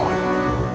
bukan saya pak ustadz